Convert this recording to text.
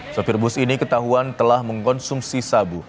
sopir bus ini ketahuan telah mengkonsumsi sabu